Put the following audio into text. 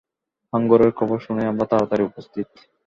হাঙ্গরের খবর শুনেই, আমরা তাড়াতাড়ি উপস্থিত।